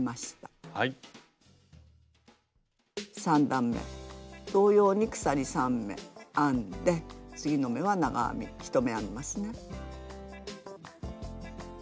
３段め同様に鎖３目編んで次の目は長編み１目編みますね。